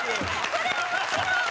これ面白い！